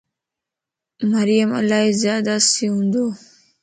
مريم الائي زياداسي ھوندو